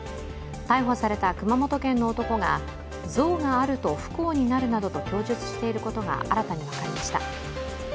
逮捕された熊本県の男が像があると不幸になるなどと供述していることが新たに分かりました。